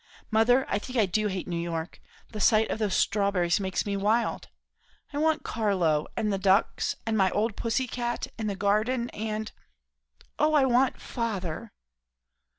"Mother, I think I do hate New York. The sight of those strawberries makes me wild. I want Carlo, and the ducks, and my old pussy cat, and the garden; and Oh, I want father!"